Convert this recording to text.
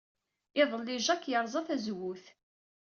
Iḍelli, Jake yerẓa tazewwut.